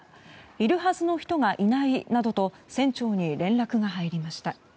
いるはずの人がいないなどと船長に連絡が入りました。